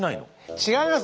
違います。